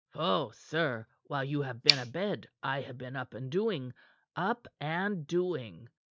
"Pho, sir! While you have been abed, I have been up and doing; up and doing.